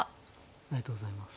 ありがとうございます。